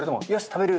食べる！